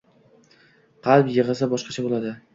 Qalb yig‘isi boshqacha bo‘ladi.